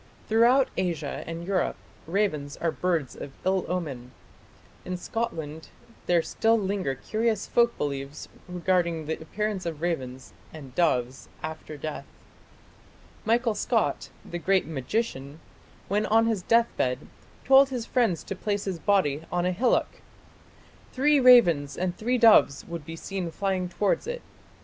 Throughout Asia and Europe ravens are birds of ill omen. In Scotland there still linger curious folk beliefs regarding the appearance of ravens and doves after death. Michael Scott, the great magician, when on his deathbed told his friends to place his body on a hillock. "Three ravens and three doves would be seen flying towards it.